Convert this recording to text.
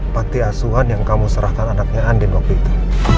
pati asuhan yang kamu serahkan anaknya andien waktu itu